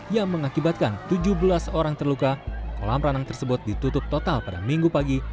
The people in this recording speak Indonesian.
yang mengakibatkan tujuh belas orang terluka kolam renang tersebut ditutup total pada minggu pagi